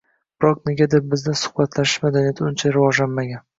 Biroq negadir bizda suhbatlashish madaniyati uncha rivojlanmagan